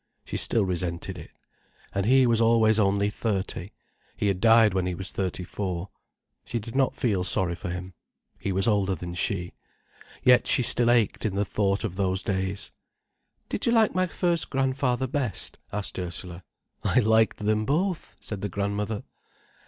She still resented it. And he was always only thirty: he had died when he was thirty four. She did not feel sorry for him. He was older than she. Yet she still ached in the thought of those days. "Did you like my first grandfather best?" asked Ursula. "I liked them both," said the grandmother.